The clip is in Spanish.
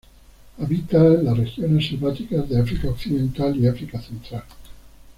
Habita en las regiones selváticas de África occidental y África central.